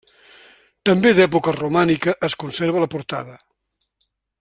També d'època romànica es conserva la portada.